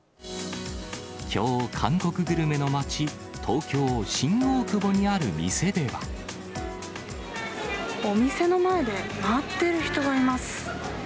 きょう、韓国グルメの街、お店の前で待ってる人がいます。